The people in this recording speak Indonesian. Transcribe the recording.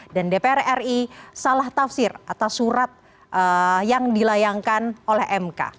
dan dpr ri salah tafsir atas surat yang dilayangkan oleh mk